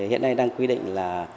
hiện nay đang quy định là